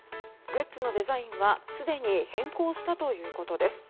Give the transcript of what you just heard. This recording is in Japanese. グッズのデザインはすでに変更したということです。